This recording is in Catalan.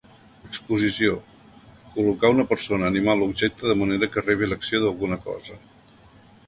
Exposició: col·locar a una persona, animal o objecte de manera que rebi l'acció d'alguna cosa.